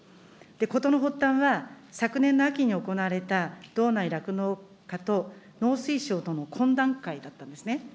事の発端は、昨年の秋に行われた、道内酪農家と農水省との懇談会だったんですね。